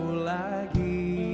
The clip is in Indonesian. tidak tahu lagi